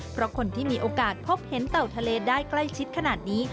เพราะคนที่มีโอกาสพบเห็นเต่าทะเลได้ใกล้ชิดขนาดนี้